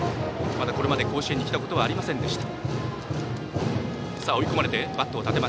まだこれまで甲子園に来たことはありませんでした。